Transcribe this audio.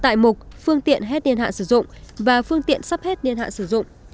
tại mục phương tiện hết miên hạn sử dụng và phương tiện sắp hết miên hạn sử dụng